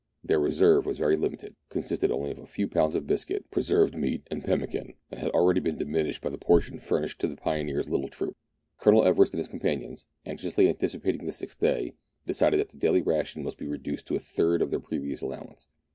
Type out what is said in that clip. Their reserve was very limited, consisting only of a few pounds of biscuit, preserved meat, and pemmican, and had already been dimi nished by the portion furnished to the pioneer's little troop. THREE ENGLISHMEN AND THREE RUSSIANS. I91 Colonel Everest and his companions, anxiously anticipating the sixth day, decided that the daily ration must be reduced to a third of their previous allowance.